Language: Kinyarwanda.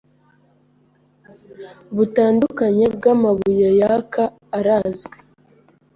butandukanye bwamabuye yaka arazwi